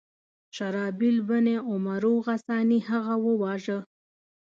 شهرابیل بن عمرو غساني هغه وواژه.